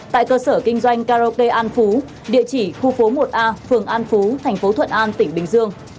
tại cơ sở kinh doanh karaoke an phú địa chỉ khu phố một a phường an phú thành phố thuận an tỉnh bình dương